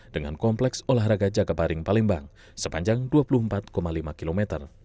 dengan kompleks olahraga jakabaring palembang sepanjang dua puluh empat lima km